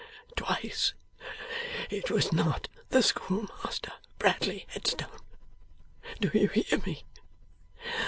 Twice; it was not the schoolmaster, Bradley Headstone. Do you hear me?